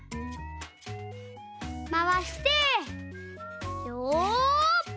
まわしてよお！